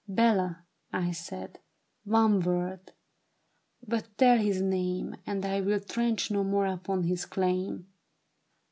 ' Bella,' I said, 'one word ; but tell his name. And I will trench no more upon his claim.'